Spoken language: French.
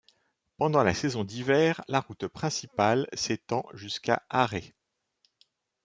Pendant la saison d'hiver, la route principale s'étend jusqu'à Åre.